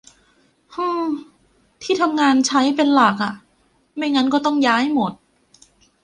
ฮือ ที่ทำงานใช้ เป็นหลักอะ ไม่งั้นก็ต้องย้ายหมด